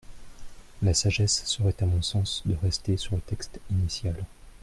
La sagesse serait à mon sens de rester sur le texte initial.